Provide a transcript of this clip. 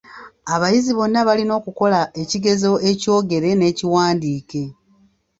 Abayizi bonna balina okukola ekigezo ekyogere n'ekiwandiike.